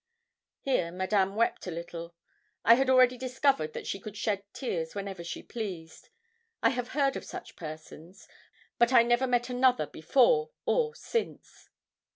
Here Madame wept a little. I had already discovered that she could shed tears whenever she pleased. I have heard of such persons, but I never met another before or since.